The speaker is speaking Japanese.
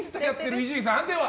伊集院さん、判定は？